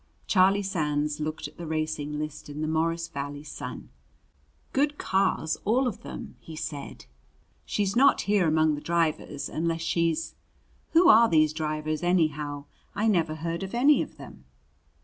Charlie Sands looked at the racing list in the Morris Valley Sun. "Good cars all of them," he said. "She's not here among the drivers, unless she's Who are these drivers anyhow? I never heard of any of them."